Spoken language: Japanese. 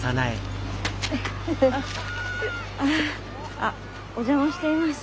あっお邪魔しています。